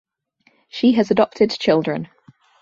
She has adopted children.